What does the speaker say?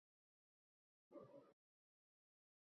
afsuski